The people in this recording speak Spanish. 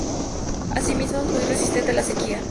Así mismo, es muy resistente a la sequía.